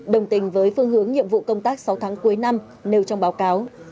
đồng tình với phương hướng nhiệm vụ công tác sáu tháng cuối năm nêu trong báo cáo